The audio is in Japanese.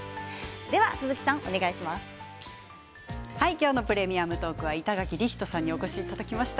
今日の「プレミアムトーク」は板垣李光人さんにお越しいただきました。